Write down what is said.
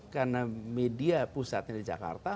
karena media pusatnya di jakarta